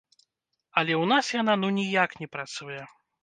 Але ў нас яна ну ніяк не працуе.